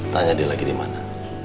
tanya dia lagi dimana